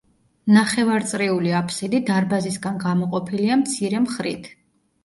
ნახევარწრიული აფსიდი დარბაზისგან გამოყოფილია მცირე მხრით.